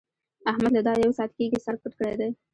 احمد له دا يو ساعت کېږي سر پټ کړی دی.